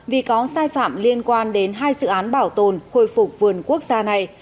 vì có sai phạm liên quan đến hai dự án bảo tồn khôi phục vườn quốc gia này